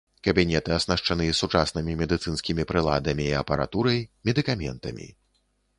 Кабінеты аснашчаны сучаснымі медыцынскімі прыладамі і апаратурай, медыкаментамі.